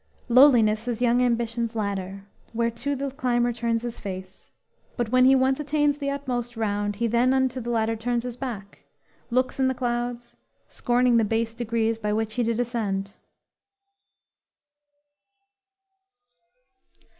_"Lowliness is young ambition's ladder, Whereto the climber turns his face; But when he once attains the utmost round, He then unto the ladder turns his back, Looks in the clouds, scorning the base degrees By which he did ascend!"